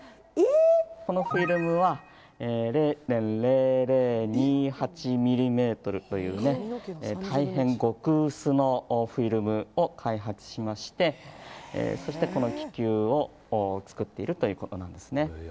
このフィルムは０．００２８ｍｍという大変極薄のフィルムを開発しましてこの気球を作っているということなんですね。